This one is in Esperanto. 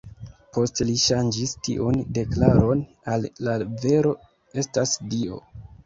Poste li ŝanĝis tiun deklaron al "la vero estas Dio".